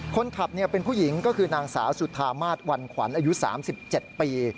คนขับเป็นผู้หญิงก็คือนางสาวสุธามาศวันขวัญอายุ๓๗ปี